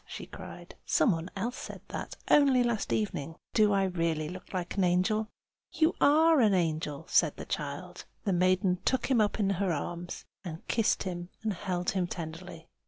she cried. "Some one else said that, only last evening. Do I really look like an angel?" "You are an angel!" said the child. The maiden took him up in her arms and kissed him, and held him tenderly.